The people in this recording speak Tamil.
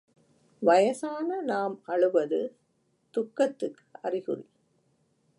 வயசான நாம் அழுவது துக்கத்துக்கு அறிகுறி.